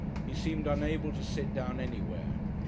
He seemed unable to sit down anywhere.